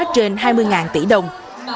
trên hai mươi tỷ đồng